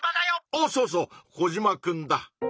おおそうそうコジマくんだ。